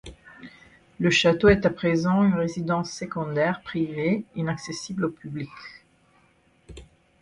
Le château est à présent une résidence secondaire privée, inaccessible au public.